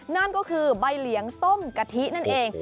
นั่นก็คือใบเหลียงต้มกะทินั่นเอง